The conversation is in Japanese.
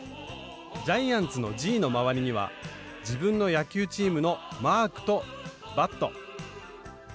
ジャイアンツの「Ｇ」の周りには自分の野球チームのマークとバット。